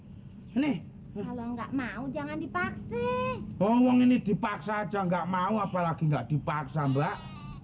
ini kalau nggak mau jangan dipakai bohong ini dipaksa aja nggak mau apalagi nggak dipaksa mbak